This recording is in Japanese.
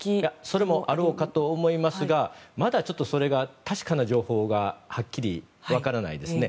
それもあろうかと思いますがまだ確かな情報ははっきり分からないですね。